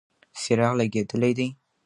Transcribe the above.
څراغ لګېدلی دی.